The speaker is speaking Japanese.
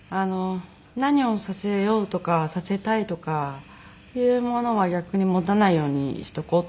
何をさせようとかさせたいとかいうものは逆に持たないようにしておこうって。